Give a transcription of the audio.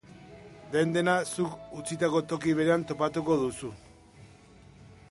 Den-dena zuk utzitako toki berean topatuko duzu.